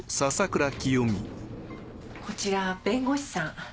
こちら弁護士さん。